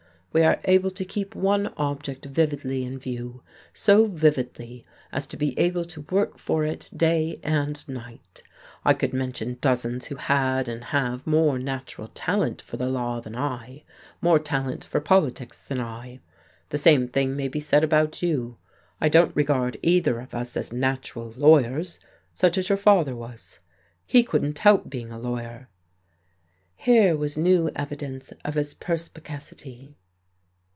We are able to keep one object vividly in view, so vividly as to be able to work for it day and night. I could mention dozens who had and have more natural talent for the law than I, more talent for politics than I. The same thing may be said about you. I don't regard either of us as natural lawyers, such as your father was. He couldn't help being a lawyer." Here was new evidence of his perspicacity.